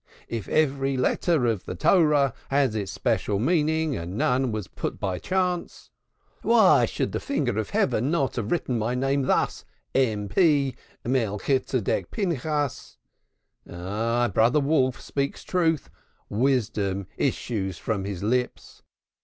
If every letter of the Torah has its special meaning, and none was put by chance, why should the finger of heaven not have written my name thus: M.P. Melchitsedek Pinchas. Ah, our brother Wolf speaks truth wisdom issues from his lips.